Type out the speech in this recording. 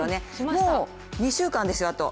もう２週間ですよ、あと。